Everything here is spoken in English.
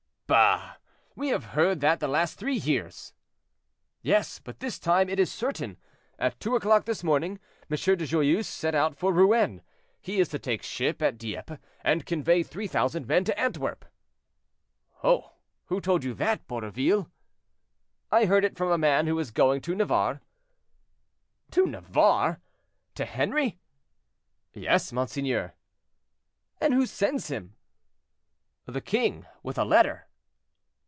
"Bah! we have heard that the last three years." "Yes; but this time it is certain. At two o'clock this morning, M. de Joyeuse set out for Rouen; he is to take ship to Dieppe, and convey three thousand men to Antwerp." "Oh! who told you that, Borroville?" "I heard it from a man who is going to Navarre." "To Navarre! to Henri?" "Yes, monseigneur." "And who sends him?" "The king, with a letter."